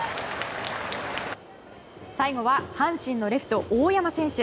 最後は阪神のレフト、大山選手。